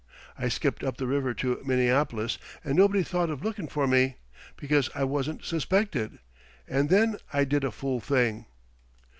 I skipped up the river to Minneapolis, and nobody thought of lookin' for me, because I wasn't suspected. And then I did a fool thing."